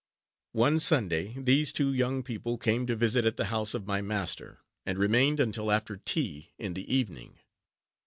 One Sunday, these two young people came to visit at the house of my master, and remained until after tea in the evening.